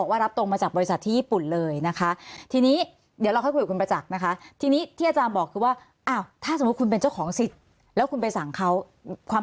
อาจารย์คือทางทีมงานเราเนี่ยนะคะ